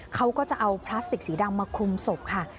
เขาก็จะเอาพลาสติกสีดำมาคลุมศพค่ะ